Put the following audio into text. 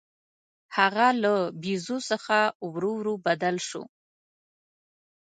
هغه له بیزو څخه ورو ورو بدل شو.